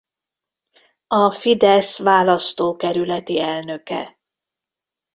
A Fidesz választókerületi elnöke.